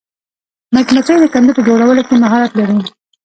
مچمچۍ د کندو په جوړولو کې مهارت لري